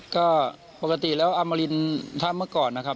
ก็ปกติแล้วอมรินถ้าเมื่อก่อนนะครับ